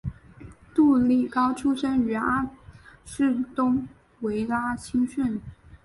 杜利高出身于阿士东维拉青训。